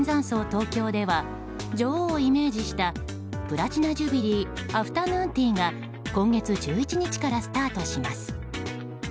東京では女王をイメージしたプラチナ・ジュビリーアフタヌーンティーが今月１１日からスタートします。